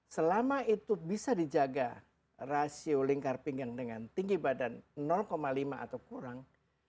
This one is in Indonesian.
selama itu bisa dijaga rasio lingkar pinggang dengan tinggi badan lima atau kurang